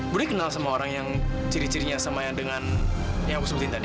budi kenal sama orang yang ciri cirinya sama yang dengan yang aku sebutin tadi